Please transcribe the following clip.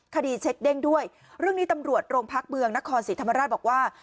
คดีเช็คเด้งด้วยเรื่องนี้ตำรวจโรงพักเมืองนครศรีธรรมราชบอกว่า